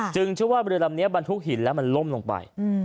เชื่อว่าเรือลำนี้บรรทุกหินแล้วมันล่มลงไป